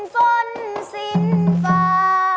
ธรรมดา